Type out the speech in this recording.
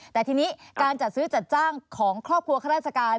แต่ทีนี้การจัดซื้อจัดจ้างของครอบครัวข้าราชการ